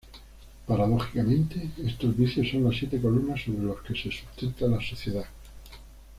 Paradójicamente, estos vicios son las siete columnas sobre las que se sustenta la sociedad.